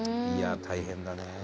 いや大変だね。